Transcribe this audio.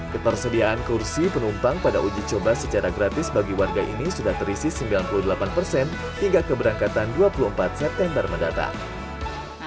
ketersediaan kursi penumpang pada uji coba secara gratis bagi warga ini sudah terisi sembilan puluh delapan persen hingga keberangkatan dua puluh empat september mendatang